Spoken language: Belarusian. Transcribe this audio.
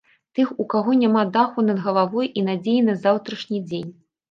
Тых, у каго няма даху над галавой і надзеі на заўтрашні дзень.